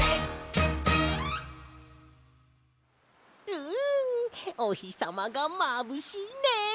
うんおひさまがまぶしいね！